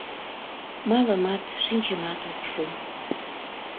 Малымат, шинчымат ок шу...